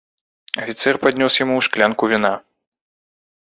Афіцэр паднёс яму шклянку віна.